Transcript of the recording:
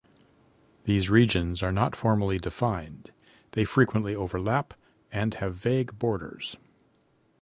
These regions are not formally defined; they frequently overlap and have vague borders.